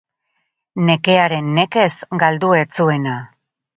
Nekearen nekez galdu ez zuena.